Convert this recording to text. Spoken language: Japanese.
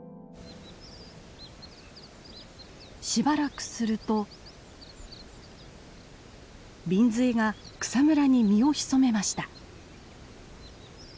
しばらくするとビンズイが草むらに身を潜めました。